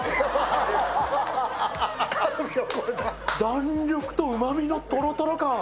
弾力とうま味のトロトロ感。